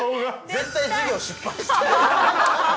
◆絶対事業失敗してる。